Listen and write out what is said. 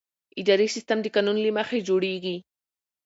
اداري سیستم د قانون له مخې جوړېږي.